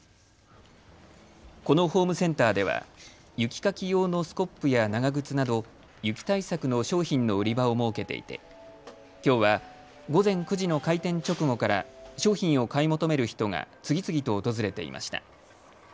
このホームセンターでは雪かき用のスコップや長靴など雪対策の商品の売り場を設けていてきょうは午前９時の開店直後から商品を買い求める人が次々と訪れていました。